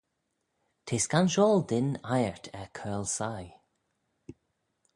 T'eh scanshoil dyn eiyrt er coyrle sie.